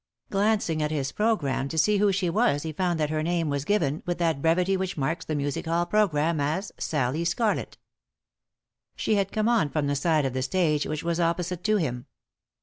Glancing at his programme to see who she was he found that her name was given, with that brevity which marks the music hall pro gramme, as "Sallie Scarlett." She had come on from the side of the stage which was opposite to him.